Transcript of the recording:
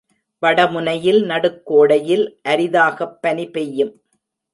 வட முனையில் நடுக்கோடையில் அரிதாகப் பனி பெய்யும்.